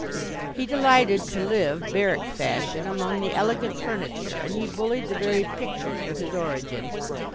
He delighted to live, barrack fashion, among the elegant furniture, and he bullied the very pictures with his origin.